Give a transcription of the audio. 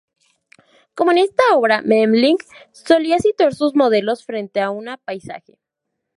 Como en esta obra, Memling solía situar sus modelos frente a una paisaje.